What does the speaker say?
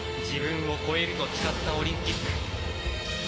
自分を超えると誓ったオリンピック。